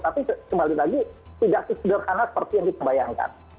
tapi kembali lagi tidak sesederhana seperti yang kita bayangkan